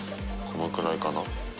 このくらいかな？